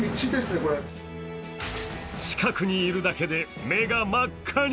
近くにいるだけで目が真っ赤に。